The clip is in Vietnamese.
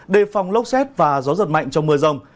đề phòng lốc xét và gió giật mạnh trong mưa rông